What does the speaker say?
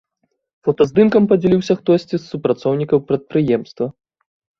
Фотаздымкам падзяліўся хтосьці з супрацоўнікаў прадпрыемства.